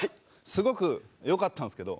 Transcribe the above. すごくよかったんですけど